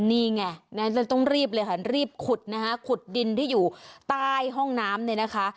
นี่ไงเลยต้องรีบเลยค่ะรีบขุดนะคะขุดดินที่อยู่ใต้ห้องน้ำเนี่ยนะคะ